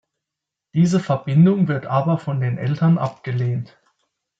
Diese Verbindung wird aber von den Eltern abgelehnt.